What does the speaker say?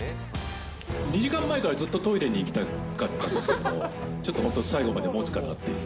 ２時間前からずっとトイレに行きたかったんですけど、ちょっと本当、最後までもつかなっていう。